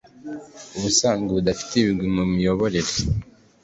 ubusanzwe badafite ibigwi bihambaye mu miyoborere